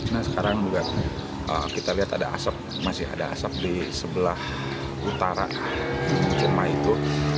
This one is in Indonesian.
nah sekarang juga kita lihat ada asap masih ada asap di sebelah utara jerma itu